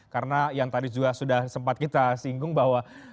karena yang tadi juga sudah sempat kita singgung bahwa